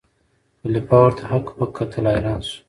خلیفه ورته هک پک کتل حیران سو